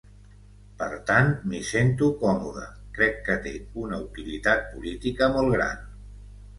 Per tant, m’hi sento còmoda, crec que té una utilitat política molt gran.